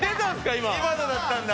今のだったんだ。